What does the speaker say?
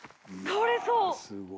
倒れそう！